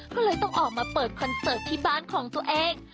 ก็เลยต้องออกมาเปิดคอนเสิร์ตที่บ้านของตัวเอง